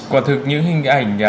quả thực những hình ảnh